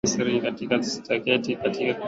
sikate tama kama hizi vinavyofanya sasa